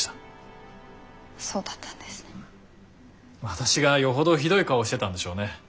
私がよほどひどい顔をしてたんでしょうね。